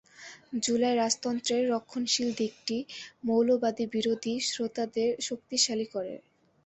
জুলাই রাজতন্ত্রের রক্ষণশীল দিকটি মৌলবাদী বিরোধী শ্রোতাদের শক্তিশালী করে।